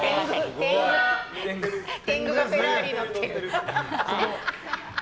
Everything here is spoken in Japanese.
天狗がフェラーリ乗ってね。